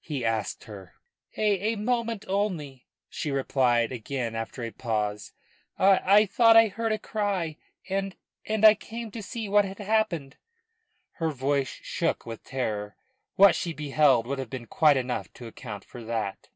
he asked her. "A a moment only," she replied, again after a pause. "I I thought I heard a cry, and and I came to see what had happened." Her voice shook with terror; but what she beheld would have been quite enough to account for that.